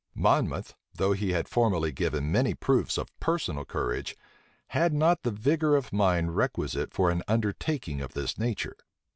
Monmouth, though he had formerly given many proofs of personal courage, had not the vigor of mind requisite for an undertaking of this nature.